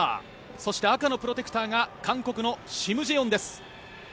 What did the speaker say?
そして、赤のプロテクターが韓国のシム・ジェヨンです。